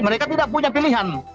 mereka tidak punya pilihan